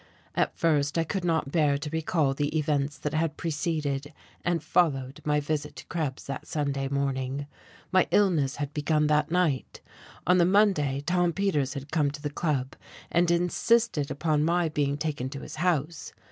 At first I could not bear to recall the events that had preceded and followed my visit to Krebs that Sunday morning. My illness had begun that night; on the Monday Tom Peters had come to the Club and insisted upon my being taken to his house....